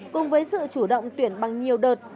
cùng với sự chủ động tuyển bằng nhiều đợt